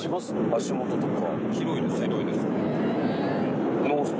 足元とか。